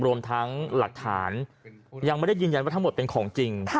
รวมทั้งหลักฐานยังไม่ได้ยืนยันว่าทั้งหมดเป็นของจริง